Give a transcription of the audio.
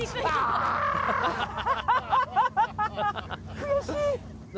悔しい。